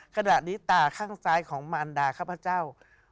ขณะนี้ตาข้างซ้ายของมารดาข้าพเจ้า